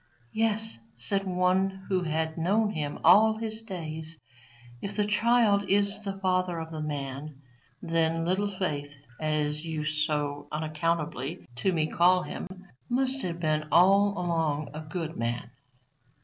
Yes, said one who had known him all his days, if the child is the father of the man, then Little Faith, as you so unaccountably to me call him, must have been all along a good man.